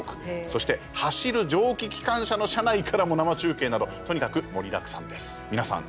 そして走る蒸気機関車の車内からも生中継などとにかく盛りだくさんです皆さん